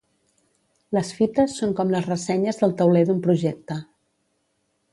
Les fites són com les ressenyes del tauler d'un projecte.